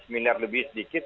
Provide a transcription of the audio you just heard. lima ratus miliar lebih sedikit